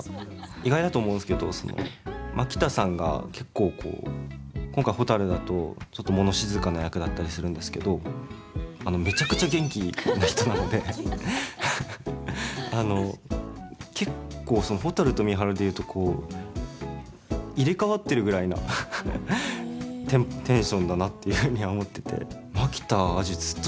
意外だと思うんですけど今回ほたるだと、もの静かな役だったりするんですけどめちゃくちゃ元気な人なので結構、ほたると美晴でいうと入れ代わっているぐらいなテンションだなっていうふうに思ってて。